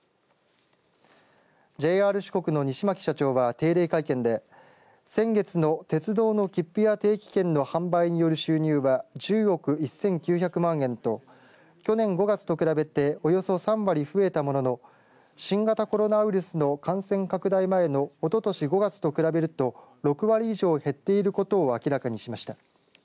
ＪＲ四国の西牧社長は定例会見で先月の鉄道の切符や定期券の販売による収入は１０億１９００万円と去年５月と比べておよそ３割増えたものの新型コロナウイルスの感染拡大前のおととし５月と比べると６割以上減っていることを明らかにしました。